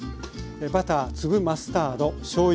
バター粒マスタードしょうゆ